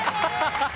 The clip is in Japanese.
ハハハハ！